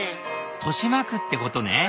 豊島区ってことね